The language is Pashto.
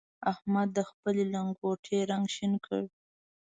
احمد د خپلې لنګوټې رنګ شين کړ.